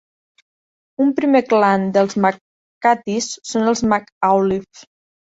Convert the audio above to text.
Un primer clan dels MacCarthys són els MacAuliffes.